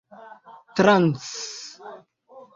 trans